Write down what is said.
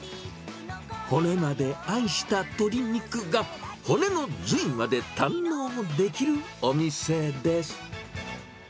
骨まで愛した鶏肉が、骨の髄まで堪能できるお店です。